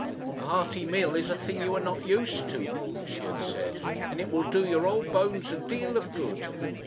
"A hearty meal is a thing you are not used to," she had said, "and it will do your old bones a deal of good."